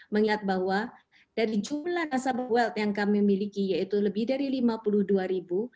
mengingat bahwa dari jumlah nasabah weld yang kami miliki yaitu lebih dari lima puluh dua ribu